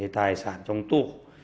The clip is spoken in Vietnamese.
tài sản trong tù